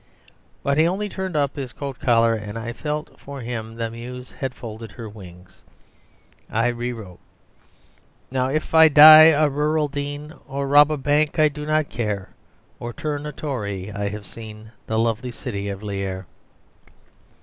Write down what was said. But he only turned up his coat collar, and I felt that for him the muse had folded her wings. I rewrote "Now if I die a Rural Dean, Or rob a bank I do not care, Or turn a Tory. I have seen The lovely city of Lierre."